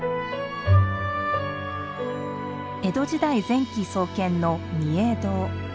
江戸時代前期創建の御影堂。